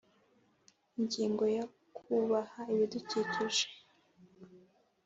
Ingingo ya kubaha ibidukikije